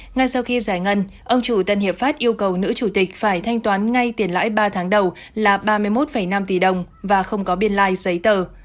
ngay sau khi giải ngân ông chủ tân hiệp pháp yêu cầu nữ chủ tịch phải thanh toán ngay tiền lãi ba tháng đầu là ba mươi một năm tỷ đồng và không có biên lai giấy tờ